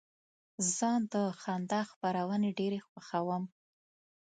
زه د خندا خپرونې ډېرې خوښوم.